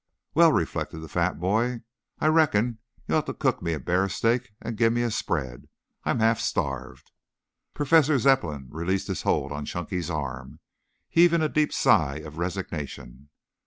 "Well," reflected the fat boy, "I reckon you ought to cook me a bear steak and give me a spread. I'm half starved." Professor Zepplin released his hold on Chunky's arm, heaving a deep sigh of resignation.